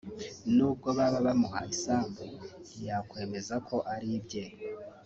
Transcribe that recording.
nubwo baba bamuhaye isambu ntiyakwemeza ko ari ibye